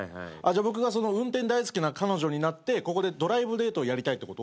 僕が運転大好きな彼女になってここでドライブデートをやりたいってこと？